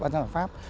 ba nhóm giải pháp